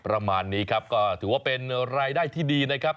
ประมาณนี้ครับก็ถือว่าเป็นรายได้ที่ดีนะครับ